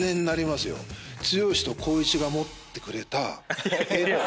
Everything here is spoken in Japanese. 剛と光一が持ってくれた柄っていう。